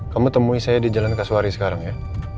kamu temui saya di jalan kasuari sekarang ya